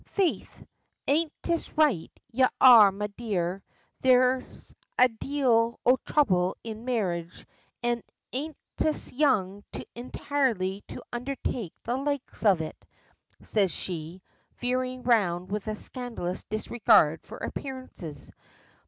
"Faith, an' 'tis right y'are, me dear. There's a deal o' trouble in marriage, an' 'tis too young y'are intirely to undertake the likes of it," says she, veering round with a scandalous disregard for appearances.